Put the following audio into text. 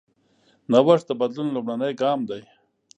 نوښت د بدلون لومړنی ګام دی.